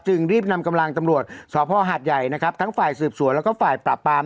รีบนำกำลังตำรวจสภหาดใหญ่นะครับทั้งฝ่ายสืบสวนแล้วก็ฝ่ายปราบปราม